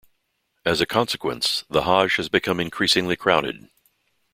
As a consequence, the Hajj has become increasingly crowded.